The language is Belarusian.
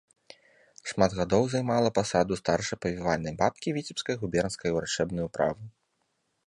Шмат гадоў займала пасаду старшай павівальнай бабкі віцебскай губернскай урачэбнай управы.